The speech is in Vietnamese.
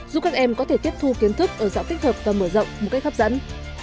giúp các em có thể tiếp thu kiến thức ở giọng tích hợp và mở rộng một cách hấp dẫn